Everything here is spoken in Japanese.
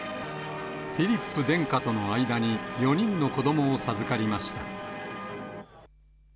フィリップ殿下との間に、４人の子どもを授かりました。